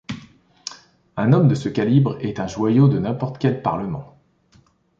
Un homme de ce calibre est un joyau de n'importe quel parlement.